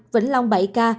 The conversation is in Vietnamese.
vĩnh long bảy ca